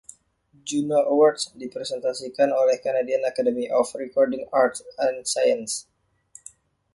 Juno Awards dipresentasikan oleh Canadian Academy of Recording Arts and Sciences.